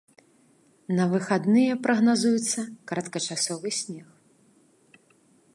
На выхадныя прагназуецца кароткачасовы снег.